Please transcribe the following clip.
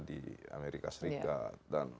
di amerika serikat dan